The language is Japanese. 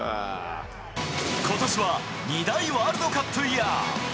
ことしは２大ワールドカップイヤー。